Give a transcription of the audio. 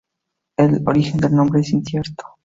El origen del nombre es incierto.